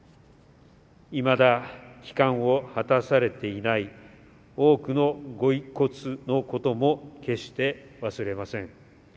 未だ帰還を果たされていない多くのご遺骨のことも決して忘れません。